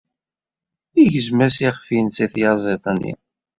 Yegzem-as iɣef-nnes i tyaziḍt-nni.